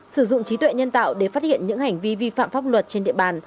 sử dụng trí tuệ nhân tạo để phát hiện những hành vi vi phạm pháp luật trên địa bàn